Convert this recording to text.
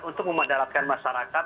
untuk memandaratkan masyarakat